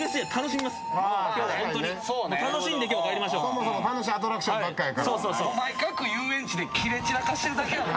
そもそも楽しいアトラクションばっかりやから。